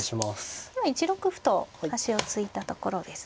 今１六歩と端を突いたところですね。